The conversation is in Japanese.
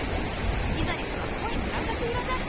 オキザリスは濃い紫色じゃ。